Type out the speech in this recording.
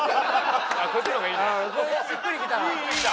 こっちの方がいいな。